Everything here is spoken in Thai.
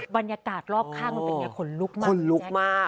บรรยากาศรอบข้างมันเป็นยังไงคนลุกมาก